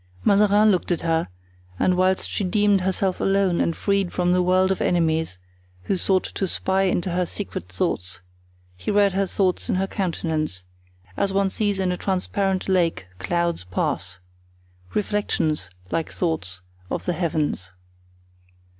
Mazarin looked at her, and whilst she deemed herself alone and freed from the world of enemies who sought to spy into her secret thoughts, he read her thoughts in her countenance, as one sees in a transparent lake clouds pass—reflections, like thoughts, of the heavens.